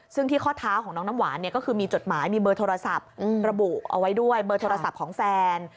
ซึ่งที่ข้อเท้าของน้องน้ำหวานเนี่ยก็คือมีจดหมายมีเบอร์โทรศัพท์ระบุเอาไว้ด้วยเบอร์โทรศัพท์ของแฟน